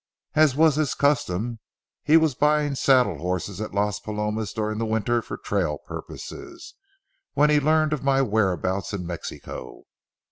As was his custom, he was buying saddle horses at Las Palomas during the winter for trail purposes, when he learned of my whereabouts in Mexico.